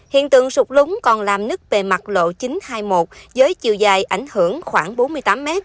hiện tượng sụt lún còn làm nứt bề mặt lộ chín trăm hai mươi một với chiều dài ảnh hưởng khoảng bốn mươi tám m